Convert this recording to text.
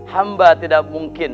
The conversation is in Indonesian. hamba tidak mungkin